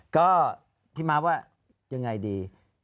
ก็พี่ม้าว่ายังไงดี